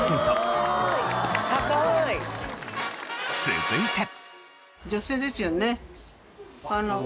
続いて。